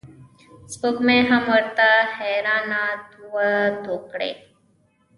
سپوږمۍ هم ورته حیرانه دوه توکړې شوه.